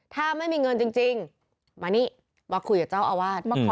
ถ้าไม่มีเงินจริงมานี่มาคุยกับเจ้าอาวาส